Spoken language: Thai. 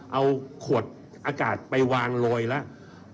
เอาขวดอากาศไปวางโรยแล้ว